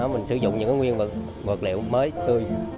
mình sử dụng những nguyên vật liệu mới tươi